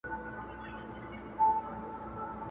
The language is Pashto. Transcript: شهیدان دي چي ښخیږي بیرغ ژاړي په جنډۍ کي٫